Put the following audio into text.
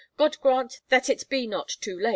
"God grant that it be not too late!"